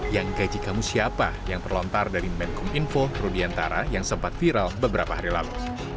yang gaji kamu siapa yang terlontar dari menkom info rudiantara yang sempat viral beberapa hari lalu